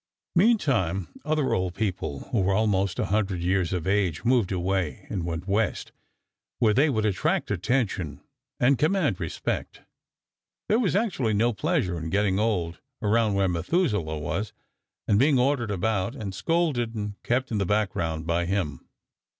Meantime other old people, who were almost 100 years of age, moved away and went west, where they would attract attention and command respect. There was actually no pleasure in getting old around where Methuselah was and being ordered about and scolded and kept in the background by him.